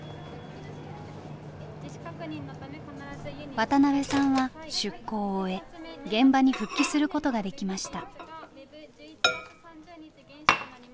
渡辺さんは出向を終え現場に復帰することができました。